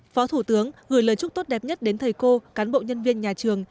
phó thủ tướng gửi lời chúc tốt đẹp nhất đến thầy cô cán bộ nhân viên nhà trường